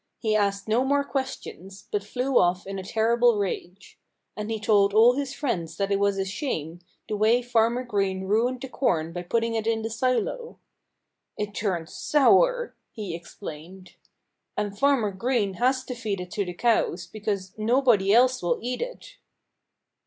He asked no more questions, but flew off in a terrible rage. And he told all his friends that it was a shame, the way Farmer Green ruined the corn by putting it in the silo. "It turns sour," he explained. "And Farmer Green has to feed it to the cows, because nobody else will eat it."